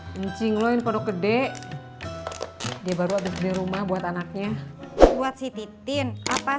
kencing loin pondok gede dia baru habis beli rumah buat anaknya buat si titin apa